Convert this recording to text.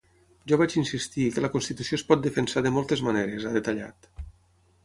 Jo vaig insistir que la constitució es pot defensar de moltes maneres, ha detallat.